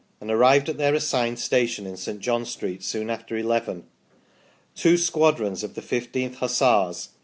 and arrived at their assigned station in St. John Street soon after eleven ; two squadrons of the 1 5th Hussars (i.e.